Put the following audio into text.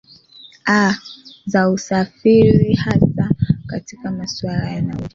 aa za usafiri hasa katika masuala ya nauli